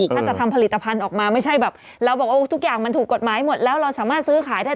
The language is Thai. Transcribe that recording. ถ้าจะทำผลิตภัณฑ์ออกมาไม่ใช่แบบเราบอกว่าทุกอย่างมันถูกกฎหมายหมดแล้วเราสามารถซื้อขายได้